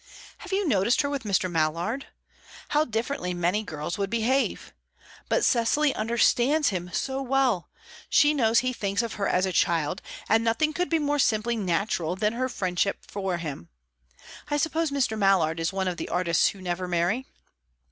Have you noticed her with Mr. Mallard? How differently many girls would behave! But Cecily understands him so well; she knows he thinks of her as a child, and nothing could be more simply natural than her friendship for him. I suppose Mr. Mallard is one of the artists who never marry?"